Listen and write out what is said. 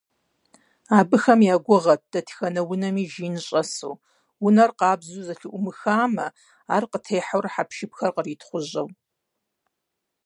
Абыхэм я гугъэт дэтхэнэ унэми жин щӀэсу, унэр къабзэу зэлъыӀумыхамэ, ар къытехьэурэ хьэпшыпхэр къритхъужьэу.